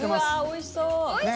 おいしそう。